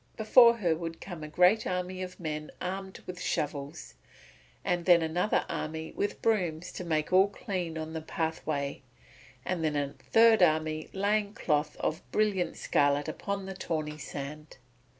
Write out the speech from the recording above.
Before her would come a great army of men armed with shovels, and then another army with brooms to make all clean on the pathway, and then a third army laying cloth of brilliant scarlet upon the tawny sand.